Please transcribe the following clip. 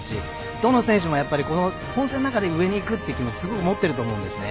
どの選手も上に行くっていう気持ちすごく持っていると思うんですね。